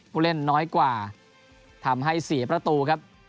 ผู้เล่นน้อยกว่าทำให้เสียประตูครับ